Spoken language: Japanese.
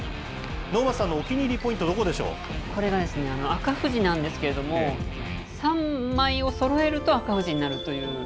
能町さんのお気に入りポイント、これが、赤富士なんですけれども、３枚をそろえると赤富士になるという。